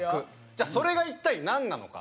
じゃあそれが一体なんなのか？